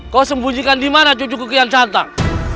kau sembunyikan dimana cucu kukian santang